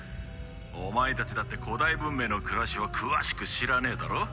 お前たちだって古代文明の暮らしは詳しく知らねえだろ？